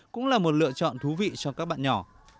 cũng là một lựa chọn thú vị cho các bạn nhỏ